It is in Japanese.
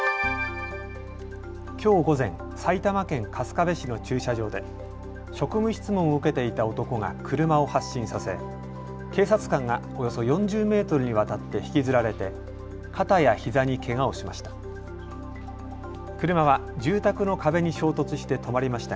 きょう午前、埼玉県春日部市の駐車場で職務質問を受けていた男が車を発進させ警察官が、およそ４０メートルにわたって引きずられて肩やひざにけがをしました。